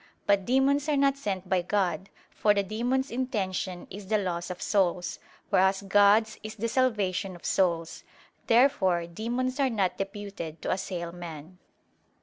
But demons are not sent by God: for the demons' intention is the loss of souls; whereas God's is the salvation of souls. Therefore demons are not deputed to assail man.